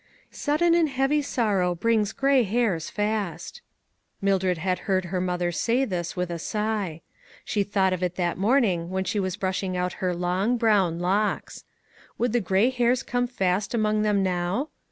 " Sudden and heavy sorrow brings gray hairs fast." Mildred had heard her mother say this with a sigh. She thought of it that morn ing when she was brushing out her long, brown locks. Would the gray hairs come fast among them now?